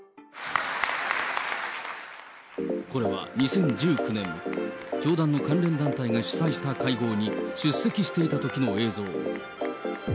これは２０１９年、教団の関連団体が主催した会合に出席していたときの映像。